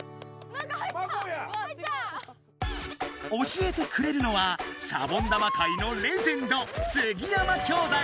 教えてくれるのはシャボン玉かいのレジェンド杉山兄弟。